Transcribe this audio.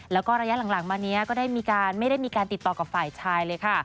แล้วก็ระยะหลังมานี้ก็ได้มีการไม่ได้มีการติดต่อกับฝ่ายชายเลยค่ะ